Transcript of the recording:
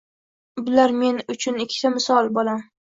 Bular men uchun ikki timsol, bolam